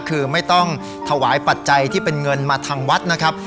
คือไม่ต้องถวายปัจจัยที่เป็นเงินมาทางวัดนะครับ